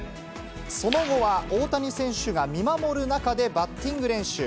その後は、大谷選手が見守る中でバッティング練習。